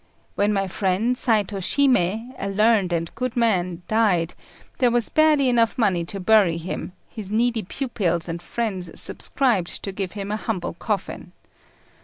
When my friend Saitô Shimei, a learned and good man, died, there was barely enough money to bury him; his needy pupils and friends subscribed to give him a humble coffin.